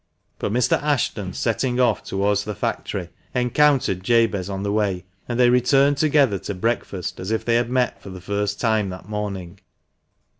But Mr. Ashton, setting off towards the factory, encountered Jabez on the way, and they returned together to breakfast, as if they had met for the first time that morning.